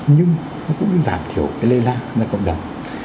nhưng nó cũng giảm thiểu cái lây lan ra cộng đồng